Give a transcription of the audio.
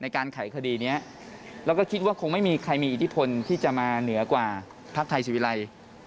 คิดว่าคงไม่มีใครมีอิทธิพลที่จะมาเหนือกว่าภาพไทยสิวิรัย